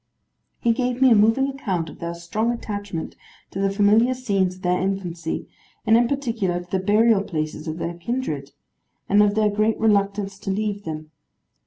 He gave me a moving account of their strong attachment to the familiar scenes of their infancy, and in particular to the burial places of their kindred; and of their great reluctance to leave them.